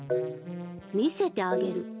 見せてあげる。